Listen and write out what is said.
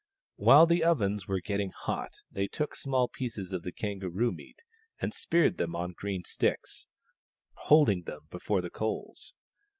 While the ovens were getting hot they took small pieces of the Kangaroo meat and speared them on green sticks, holding them before the coals.